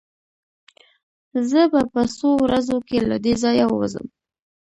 زه به په څو ورځو کې له دې ځايه ووځم.